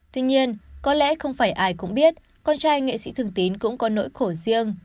tuy nhiên có lẽ không phải ai cũng biết con trai nghệ sĩ thường tín cũng có nỗi khổ riêng